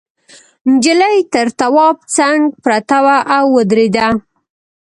نجلۍ تر تواب څنگ پرته وه او ودرېده.